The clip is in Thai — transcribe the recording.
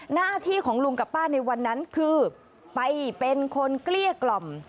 หน้าที่ของลุงกับป้าในวันนั้นคือไปเป็นคนเกลี้ยกล่อม